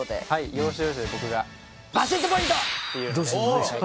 要所要所で僕がバシッとポイント！って言うのではい。